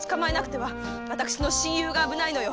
私の親友が危ないのよ！